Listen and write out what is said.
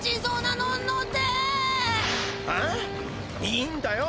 いいんだよ